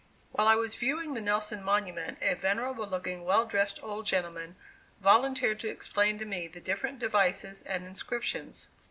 While I was viewing the Nelson monument a venerable looking, well dressed old gentleman volunteered to explain to me the different devices and inscriptions.